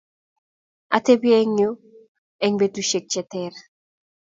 atebie eng' yue betusiek che ter